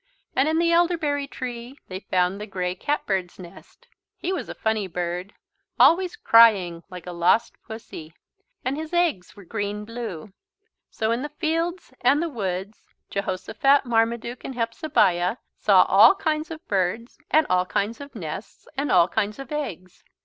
And in the elderberry tree they found the grey cat bird's nest. He was a funny bird, always crying like a lost pussy. And his eggs were green blue. So in the fields and the woods Jehosophat, Marmaduke and Hepzebiah saw all kinds of birds and all kinds of nests and all kinds of eggs.